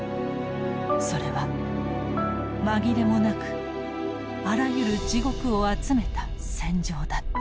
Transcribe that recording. それは紛れもなくあらゆる地獄を集めた戦場だった。